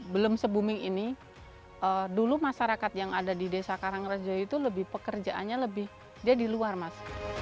belum se booming ini dulu masyarakat yang ada di desa karangrejo itu lebih pekerjaannya lebih dia di luar mas